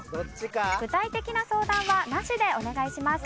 具体的な相談はなしでお願いします。